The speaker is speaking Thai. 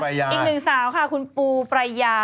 อีกหนึ่งสาวค่ะคุณปูปรายา